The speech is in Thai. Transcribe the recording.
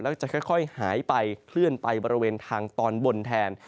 แล้วก็จะค่อยหายไปเคลื่อนไปบริเวณทางตอนบนแทน